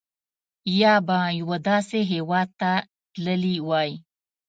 یا به یوه داسې هېواد ته تللي وای.